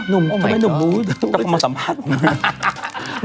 นุ่มทำไมนุ่มรู้จะมาสัมภาษณ์ของไหน